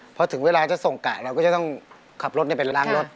เพราะถึงเวลาจะส่งก่ายเราก็จะต้องขับรถล้างรถ